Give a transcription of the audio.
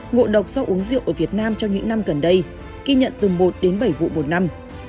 ngộ độc do uống rượu ở việt nam trong những năm gần đây ghi nhận từ một đến bảy vụ một năm